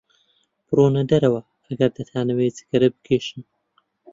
بڕۆنە دەرەوە ئەگەر دەتانەوێت جگەرە بکێشن.